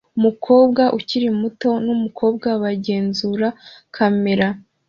Umukobwa ukiri muto numukobwa bagenzura kamera